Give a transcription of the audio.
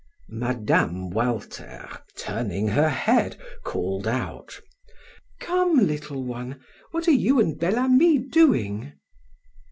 Mme. Walter, turning her head, called out: "Come, little one; what are you and Bel Ami doing?"